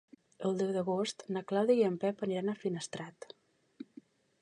El deu d'agost na Clàudia i en Pep aniran a Finestrat.